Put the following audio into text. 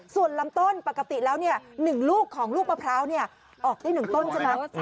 ส่วนลำต้นปกติแล้ว๑ลูกของลูกมะพร้าวออกได้๑ต้นใช่ไหม